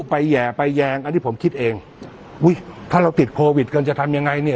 ไปแห่ไปแยงอันนี้ผมคิดเองอุ้ยถ้าเราติดโควิดกันจะทำยังไงเนี่ย